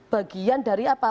bagian dari apa